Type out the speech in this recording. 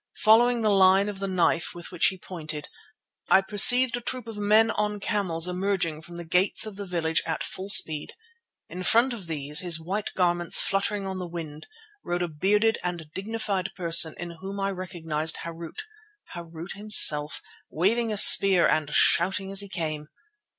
Following the line of the knife with which he pointed, I perceived a troop of men on camels emerging from the gates of the village at full speed. In front of these, his white garments fluttering on the wind, rode a bearded and dignified person in whom I recognized Harût, Harût himself, waving a spear and shouting as he came.